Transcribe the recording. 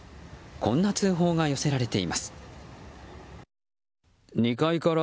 こんな通報が寄せられています。